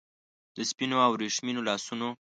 د سپینو او وریښمینو لاسونو